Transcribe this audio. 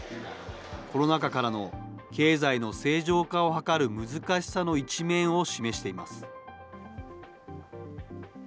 コロナ禍からの経済の正常化を図る難しさの一面を示しています。